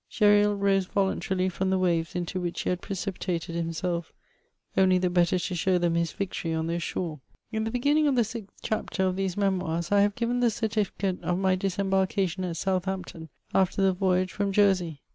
Gesril rose voluntarily from the waves into which he had precipitated himself only the better to show them his victory on their shore. In the beginning of the sixth chapter of these Memoirs I have given the certificate of my disembarkation at Southampton aflter the voyage from Jersey.